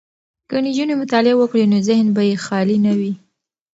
که نجونې مطالعه وکړي نو ذهن به یې خالي نه وي.